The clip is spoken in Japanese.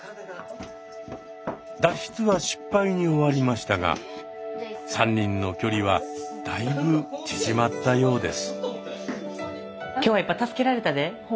脱出は失敗に終わりましたが３人の距離はだいぶ縮まったようです。